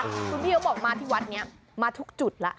คุณพี่เขาบอกมาที่วัดนี้มาทุกจุดแล้ว